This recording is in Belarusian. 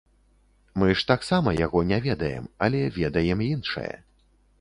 Мы ж таксама яго не ведаем, але ведаем іншае.